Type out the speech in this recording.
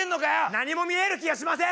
何も見える気がしません！